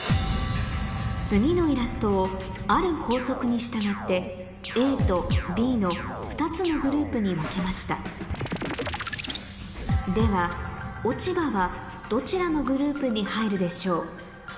次のイラストをある法則に従ってＡとＢの２つのグループに分けましたでは「おちば」はどちらのグループに入るでしょう？